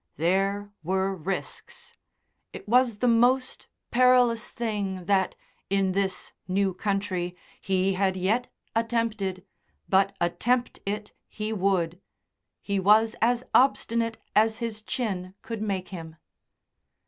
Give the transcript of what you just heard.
There were risks. It was the most perilous thing that, in this new country, he had yet attempted, but attempt it he would.... He was as obstinate as his chin could make him.